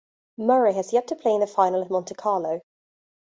Murray has yet to play in the final at Monte Carlo.